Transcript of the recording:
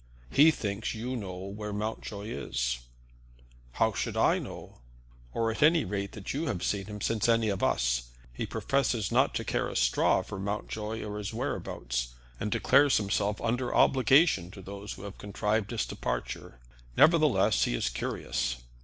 "He thinks you know where Mountjoy is." "Why should I know?" "Or at any rate that you have seen him since any of us. He professes not to care a straw for Mountjoy or his whereabouts, and declares himself under obligation to those who have contrived his departure. Nevertheless, he is curious."